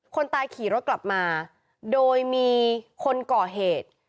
คนตายขี่รถกลับมาโดยมีคนก่อเหตุ